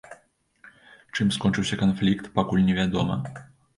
Чым скончыўся канфлікт, пакуль невядома.